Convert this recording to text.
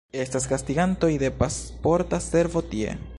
Estas gastigantoj de Pasporta Servo tie.